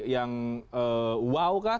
yang wow kah